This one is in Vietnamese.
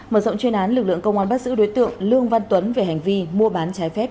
mở rộng chuyên án lực lượng công an bắt giữ đối tượng lương văn tuấn về hành vi mua bán trái phép